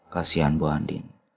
kasian bu andien